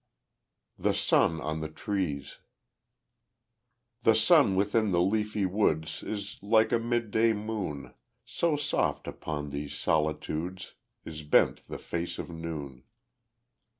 The Sun on the Trees The sun within the leafy woods Is like a midday moon, So soft upon these solitudes Is bent the face of noon.